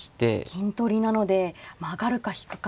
銀取りなのでまあ上がるか引くか。